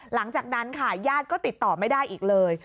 หลังจากนั้นค่ะญาติก็ติดต่อไม่ได้อีกเลย